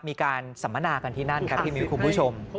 สัมมนากันที่นั่นครับพี่มิ้วคุณผู้ชม